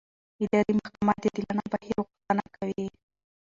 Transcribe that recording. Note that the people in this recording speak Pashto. اداري محاکمه د عادلانه بهیر غوښتنه کوي.